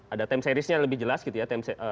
ada time seriesnya lebih jelas gitu ya